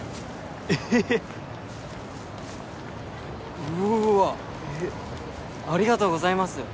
えぇうわえっありがとうございます